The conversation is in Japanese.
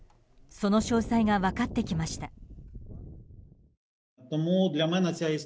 その詳細が分かってきました。